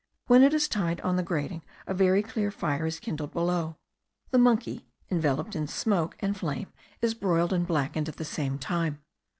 When it is tied on the grating, a very clear fire is kindled below. The monkey, enveloped in smoke and flame, is broiled and blackened at the same time.